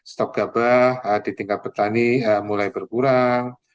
stok gabah di tingkat petani mulai berkurang